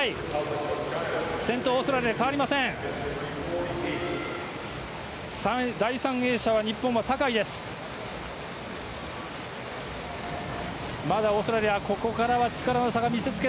先頭はオーストラリアで変わりません。